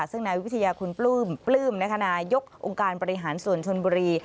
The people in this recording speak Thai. ซึ่งนายวิทยาคุณปลื้มปลื้มนายกองค์การบริหารส่วนชนบุรี